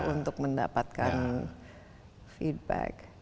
untuk mendapatkan feedback